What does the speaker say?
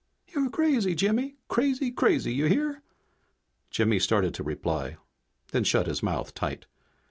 "You're crazy, Jimmy! Crazy, crazy, you hear?" Jimmy started to reply, then shut his mouth tight.